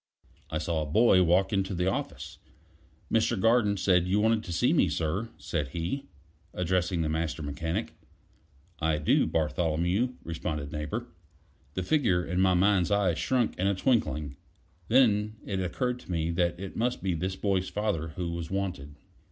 I saw a boy walk into the office. "Mr. Garten said you wanted me, sir," said he, addressing the Master Mechanic. "I do, Bartholomew," responded Neighbor. The figure in my mind's eye shrunk in a twinkling. Then it occurred to me that it must be this boy's father who was wanted.